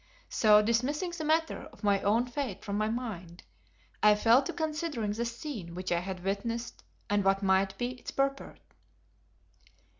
So, dismissing the matter of my own fate from my mind, I fell to considering the scene which I had witnessed and what might be its purport.